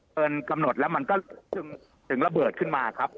เกินกำหนดแล้วมันก็ถึงระเบิดขึ้นมาครับ